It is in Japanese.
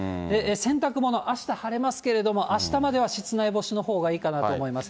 洗濯物、あした晴れますけれども、あしたまでは室内干しのほうがいいかなと思います。